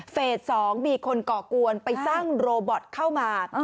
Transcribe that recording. ๒มีคนก่อกวนไปสร้างโรบอตเข้ามา